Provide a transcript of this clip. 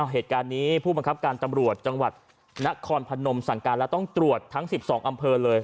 เหตุการณ์นี้ผู้บังคับการตำรวจจังหวัดนครพนมสั่งการแล้วต้องตรวจทั้ง๑๒อำเภอเลย